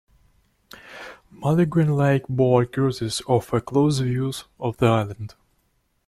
Maligne Lake boat cruises offer close views of the island.